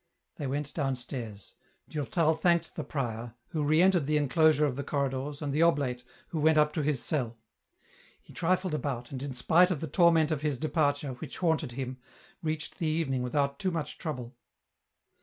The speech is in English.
They went downstairs. Durtal thanked the prior, who re entered the enclosure of the corridors, and the oblate, who went up to his cell. He trifled about, and in spite of the torment of his departure, which haunted him, reached the evening without too much trouble.